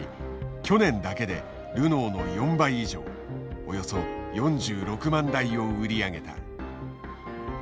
去年だけでルノーの４倍以上およそ４６万台を売り上げた。